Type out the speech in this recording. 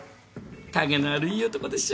陰のあるいい男でしょ？